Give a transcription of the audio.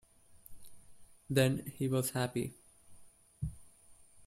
Then he was happy.